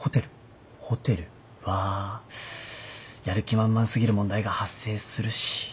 ホテルはやる気満々過ぎる問題が発生するし。